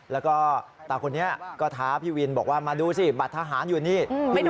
แล้วก็ตาคนนี้ก็ท้าพี่วินบอกว่ามาดูสิบัตรทหารอยู่นี่